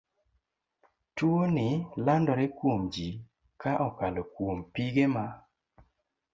Tuo ni landore kuomji ka okalo kuom pige ma